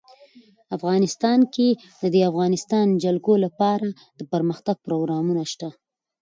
افغانستان کې د د افغانستان جلکو لپاره دپرمختیا پروګرامونه شته.